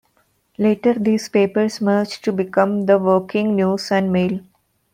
Later, these papers merged to become the 'Woking News and Mail'.